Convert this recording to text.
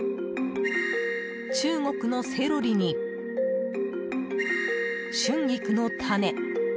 中国のセロリに、春菊の種。